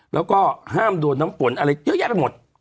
แล้วก็ห้ามโดนน้ำฝนอะไรเยอะแยะไปหมด